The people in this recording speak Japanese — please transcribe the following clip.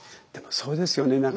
でもそうですよね。